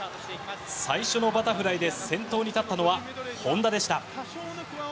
最初のバタフライで先頭に立ったのは本多でした。